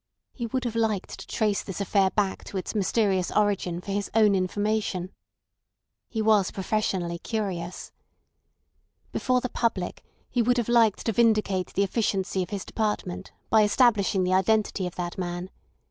He would have liked to trace this affair back to its mysterious origin for his own information. He was professionally curious. Before the public he would have liked to vindicate the efficiency of his department by establishing the identity of that man.